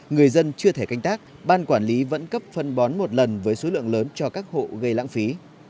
người dân chưa thể canh tác ban quản lý vẫn cấp phân bón một lần với số lượng lớn cho các hộ gây lãng phí